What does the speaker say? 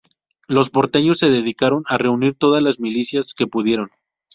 Los porteños se dedicaron a reunir todas las milicias que pudieron.